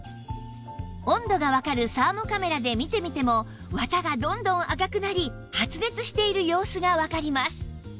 温度がわかるサーモカメラで見てみても綿がどんどん赤くなり発熱している様子がわかります